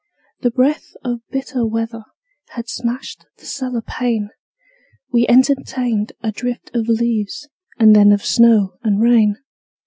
The breath of bitter weather Had smashed the cellar pane: We entertained a drift of leaves And then of snow and rain.